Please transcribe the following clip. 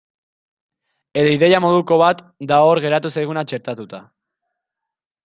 Edo ideia moduko bat da hor geratu zaiguna txertatuta.